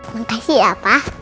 makasih ya pak